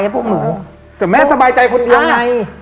แต่แม่สบายใจคนเดียวไง